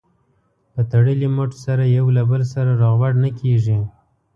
په تړلي مټ سره یو له بل سره روغبړ نه کېږي.